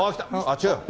違う。